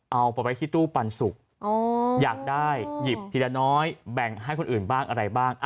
เอาไปไว้ที่ตู้ปันสุกอยากได้หยิบทีละน้อยแบ่งให้คนอื่นบ้างอะไรบ้าง